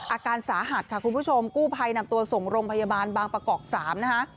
อาการสาหัสค่ะคุณผู้ชมกู้ภัยนำตัวส่งโรงพยาบาลบางประกอบ๓นะคะ